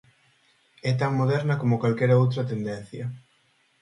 É tan moderna como calquera outra tendencia.